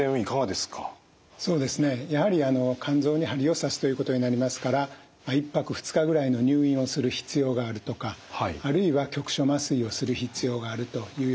そうですねやはり肝臓に針を刺すということになりますから１泊２日ぐらいの入院をする必要があるとかあるいは局所麻酔をする必要があるというようなこともあります。